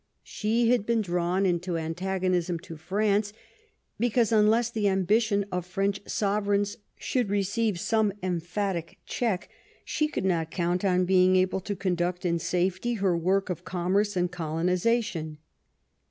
She had been drawn into antagonism to France because unless the ambition of French sovereigns should receive some emphatic check, she could not count on being able to conduct in safety her work of commerce and of coloni zation.